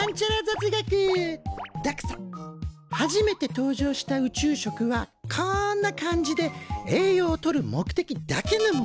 初めて登場した宇宙食はこんな感じで栄養を取る目的だけのものだったんだ。